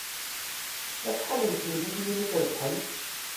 Acḥal n temliliyin i trebḥem?